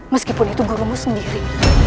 meskipun itu gurumu sendiri